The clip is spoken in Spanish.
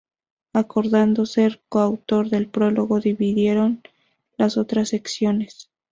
Acordando ser coautor del Prólogo, dividieron las otras secciones.